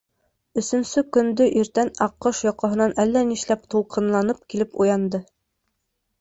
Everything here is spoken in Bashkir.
Өсөнсө көндө иртән аҡҡош йоҡоһонан әллә нишләп тулҡынланып килеп уянды.